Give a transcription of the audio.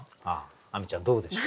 亜美ちゃんどうでしょう？